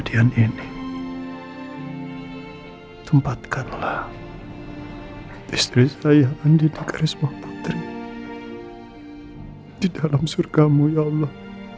dari saya andi dikris mopatri di dalam surgamu ya allah